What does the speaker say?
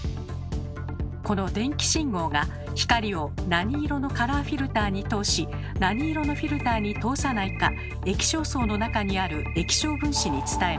この電気信号が光を何色のカラーフィルターに通し何色のフィルターに通さないか液晶層の中にある液晶分子に伝えます。